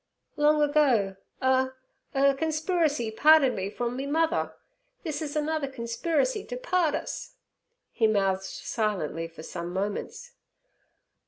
'Long ago a—er—conspriricy parted me from me—mother. This is another conspriricy to part us.' He mouthed silently for some moments.